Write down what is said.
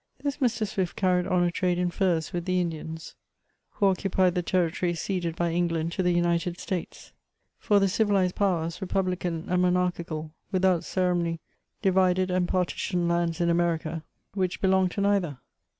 This Mr. Swift canied on a trade in furs with the Indians, who occupied the territory CHATEAUBRIAND. 263 ceded by England to the United States ; for the civilised powers, republican and monarchical, without ceremony divided and par titioned lands in America, which belongea to neither.